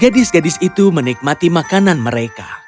gadis gadis itu menikmati makanan mereka